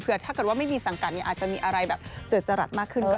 ถ้าเกิดว่าไม่มีสังกัดเนี่ยอาจจะมีอะไรแบบเจิดจรัสมากขึ้นก็ได้